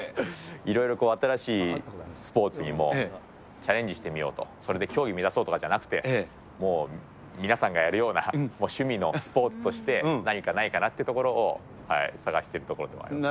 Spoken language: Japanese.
いろいろ新しいスポーツにもチャレンジしてみようと、それで競技目指そうとかじゃなくて、もう皆さんがやるような趣味のスポーツとして、何かないかなっていうところを探しているところでもありますね。